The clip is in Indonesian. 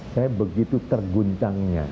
saya begitu terguncangnya